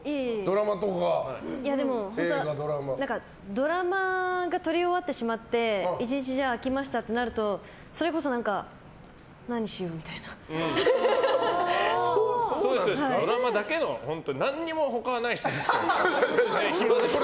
ドラマが撮り終わってしまって１日空きましたってなるとそれこそドラマだけの何も他はない人ですから。